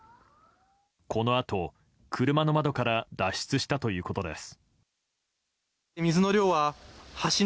このあと、車の窓から脱出したということです。